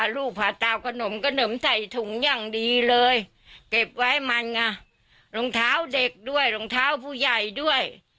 ลำเท้าเด็กด้วยน้ำเท้าผู้ใหญ่ด้วย